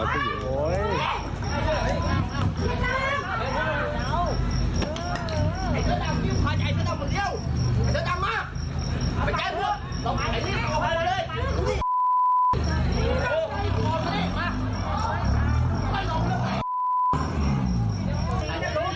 โห้ย